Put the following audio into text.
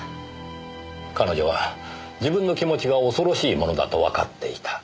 彼女は自分の気持ちが恐ろしいものだとわかっていた。